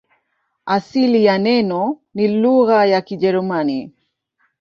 Asili ya neno ni lugha ya Kijerumani.